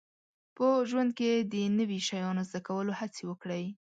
په ژوند کې د نوي شیانو زده کولو هڅې وکړئ